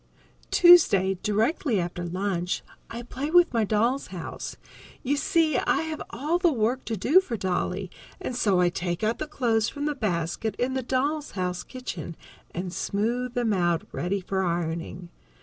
_ Tuesday, directly after lunch, I play with my doll's house. You see, I have all the work to do for Dolly, and so I take out the clothes from the basket in the doll's house kitchen, and smooth them out, ready for ironing.